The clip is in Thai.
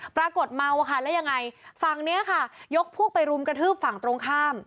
ปรากฏเมาอะค่ะแล้วยังไงฝั่งนี้ค่ะยกพวกไปรุมกระทืบฝั่งตรงข้าม